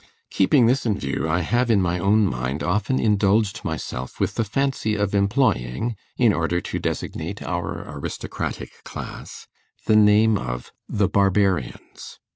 Keeping this in view, I have in my own mind often indulged myself with the fancy of employing, in order to designate our aristocratic class, the name of The Barbarians.